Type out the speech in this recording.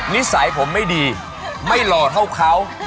นิสัยผมไม่ดีไม่หล่อเท่าเขา